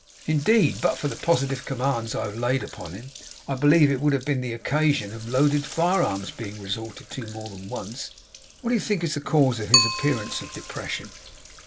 Indeed, but for the positive commands I have laid upon him, I believe it would have been the occasion of loaded fire arms being resorted to more than once. What do you think is the cause of his appearance of depression?